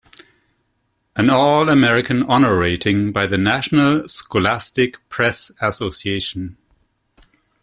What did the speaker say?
An All-American honor rating by the National Scholastic Press Association.